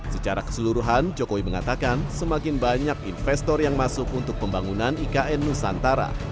secara keseluruhan jokowi mengatakan semakin banyak investor yang masuk untuk pembangunan ikn nusantara